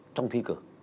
trong thi cử